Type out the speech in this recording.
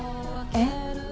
えっ？